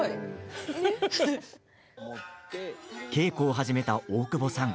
稽古を始めた大久保さん。